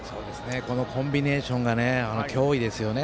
このコンビネーションが脅威ですよね。